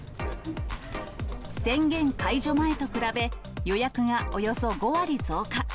宣言解除前と比べ、予約がおよそ５割増加。